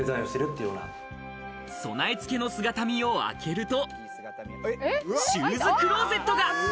備え付けの姿見を開けると、シューズクローゼットが。